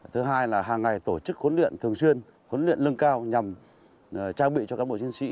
thứ hai là hàng ngày tổ chức huấn luyện thường xuyên huấn luyện lưng cao nhằm trang bị cho cán bộ chiến sĩ